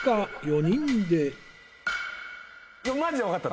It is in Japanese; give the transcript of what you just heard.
マジで分かった。